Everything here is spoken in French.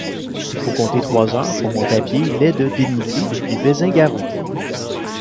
Il faut compter trois heures pour monter à pied les de dénivelé depuis Bezins-Garraux.